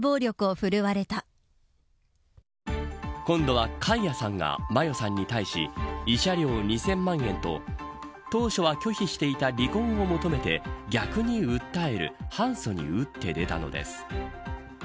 今度はカイヤさんが麻世さんに対し慰謝料２０００万円と当初は拒否していた離婚を求めて逆に訴える反訴に打って出たのです。